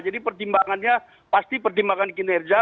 jadi pertimbangannya pasti pertimbangan kinerja